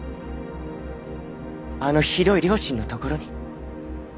あのひどい両親のところに？